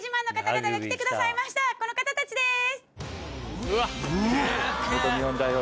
この方たちです！